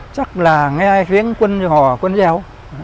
chắc là nghe tiếng quân hò quân gieo